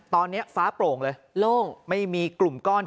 ตอนนี้ฟ้าโปร่งเลยโล่งไม่มีกลุ่มก้อน